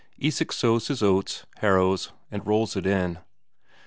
Isak sows his oats, harrows, and rolls it in.